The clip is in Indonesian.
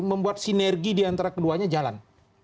membuat sinergi diantara keduanya jalan